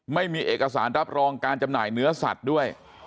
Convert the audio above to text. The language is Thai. ไม่มีเอกสารรับรองการจำหน่ายเนื้อสัตว์ด้วย